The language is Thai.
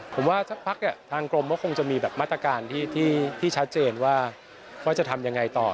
ผมว่าสักพักทางกรมก็คงจะมีแบบมาตรการที่ชัดเจนว่าจะทำยังไงต่อ